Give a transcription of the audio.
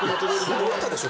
ほどいたでしょ